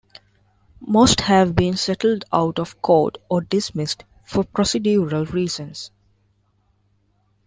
Most have been settled out of court or dismissed for procedural reasons.